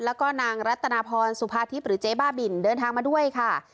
แล้วก็นางรัตนาพรสุภาทิพย์หรือเจ๊บ้าบินเดินทางมาด้วยค่ะ